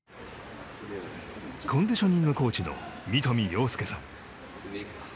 コンディショニングコーチの三富さん。